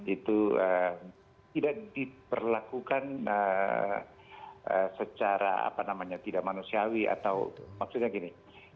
itu tidak diperlakukan secara tidak manusiawi atau maksudnya gini